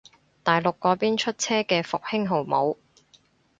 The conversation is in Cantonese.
大陸嗰邊出車嘅復興號冇